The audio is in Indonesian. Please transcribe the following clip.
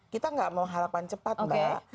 kita gak mau harapan cepat mbak